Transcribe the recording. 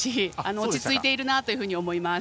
落ち着いているなと思います。